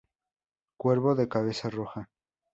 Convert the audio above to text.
Cuervo de cabeza roja.